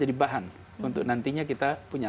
jadi bahan untuk nantinya kita punya